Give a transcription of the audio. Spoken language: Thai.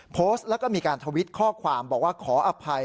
โพสต์แล้วก็มีการทวิตข้อความบอกว่าขออภัย